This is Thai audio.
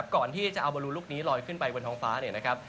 ก่อนที่จะเอาบรูลลูกนี้ลอยขึ้นไปบนท้องฟ้า